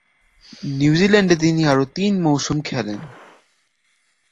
নিউজিল্যান্ডে তিনি আরও তিন মৌসুম খেলেন।